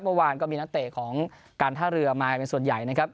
เมื่อวานก็มีนักเตะของการท่าเรือมาเป็นส่วนใหญ่นะครับ